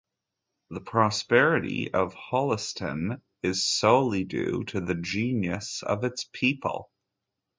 The prosperity of Holliston is solely due to the genius of its people.